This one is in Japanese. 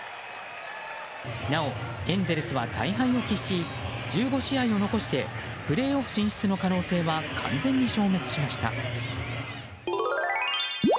なお、エンゼルスは大敗を喫し１５試合を残してプレーオフ進出の可能性は完全に消滅しました。